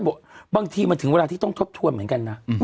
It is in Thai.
บางทีมันถึงเวลาที่ต้องทบทวนเหมือนกันนะ